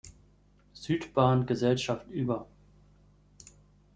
Südbahn-Gesellschaft über.